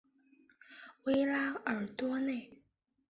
维拉尔多内。